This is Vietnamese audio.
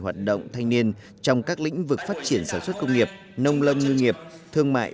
hoạt động thanh niên trong các lĩnh vực phát triển sản xuất công nghiệp nông lâm ngư nghiệp thương mại